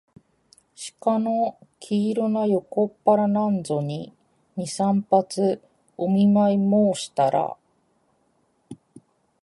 鹿の黄色な横っ腹なんぞに、二三発お見舞もうしたら、